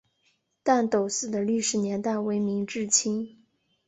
旦斗寺的历史年代为明至清。